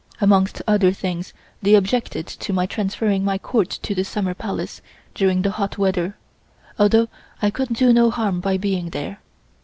Amongst other things they objected to my transferring my Court to the Summer Palace during the hot weather, although I could do no harm by being there.